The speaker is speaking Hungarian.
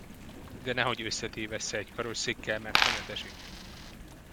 De nehogy összetévessze egy karosszékkel, mert hanyatt esik!